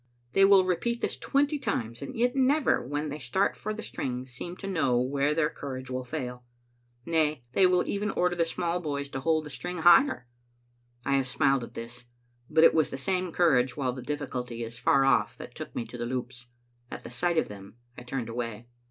They will repeat this twenty times, and yet never, when they start for the string, seem to know where their courage will fail. Nay, they will even order the small boys to hold the string higher. I have smiled at this, but it was the same courage while the difficulty is far off that took me to the Loups. At sight of them I turned away.